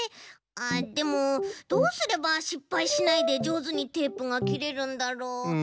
あでもどうすればしっぱいしないでじょうずにテープがきれるんだろう。